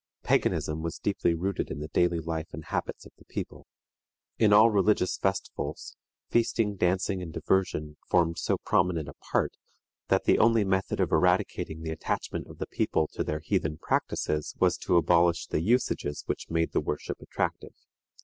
Paganism was deeply rooted in the daily life and habits of the people. In all religious festivals, feasting, dancing, and diversion formed so prominent a part, that the only method of eradicating the attachment of the people to their heathen practices was to abolish the usages which made the worship attractive.